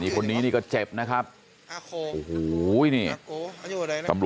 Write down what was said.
คนนี้ก็เจ็บนะครับ